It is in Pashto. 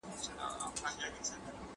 د قسم له حقوقو څخه د تنازل عوض.